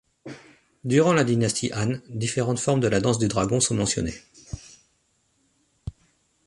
Durant la dynastie Han, différentes formes de la danse du dragon sont mentionnées.